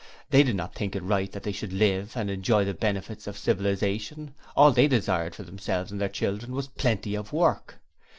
They did not think it right that they should Live, and enjoy the benefits of civilization. All they desired for themselves and their children was 'Plenty of Work'.